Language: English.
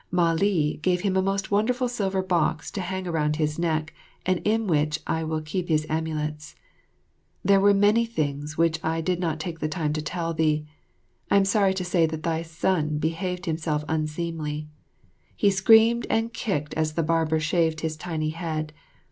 Mah li gave him a most wonderful silver box to hang around his neck and in which I will keep his amulets. There were many things which I will not take the time to tell thee. I am sorry to say that thy son behaved himself unseemly. He screamed and kicked as the barber shaved his tiny head.